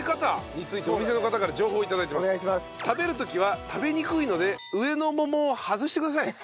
食べる時は食べにくいので上の桃を外してください。